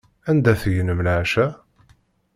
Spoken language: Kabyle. Anda tegnem leɛca?